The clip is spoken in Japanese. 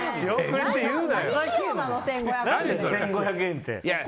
何だよ、１５００円って。